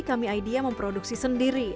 kami idea memproduksi sendiri